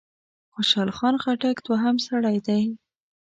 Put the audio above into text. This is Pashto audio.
خوشحال خان خټک دوهم سړی دی.